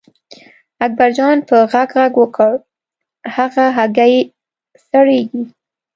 اکبرجان په غږ غږ وکړ هغه هګۍ سړېږي.